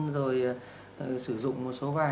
rồi sử dụng một số bài